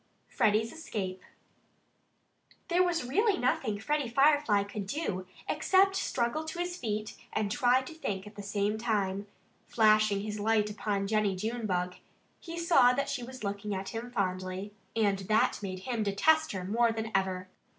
XVI FREDDIE'S ESCAPE There was really nothing Freddie Firefly could do except struggle to his feet and try to think at the same time. Flashing his light upon Jennie Junebug he saw that she was looking at him fondly. And that made him detest her more than ever.